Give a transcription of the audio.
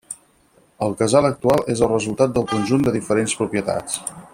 El casal actual és el resultat del conjunt de diferents propietats.